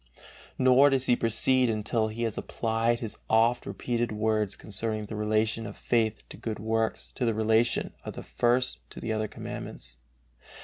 Nor does he proceed until he has applied his oft repeated words concerning the relation of faith to good works to the relation of the First to the other Commandments.